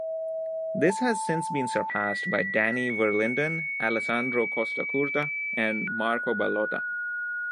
This has since been surpassed by Danny Verlinden, Alessandro Costacurta and Marco Ballotta.